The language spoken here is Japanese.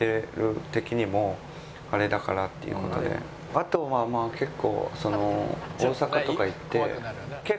あとまあ結構その。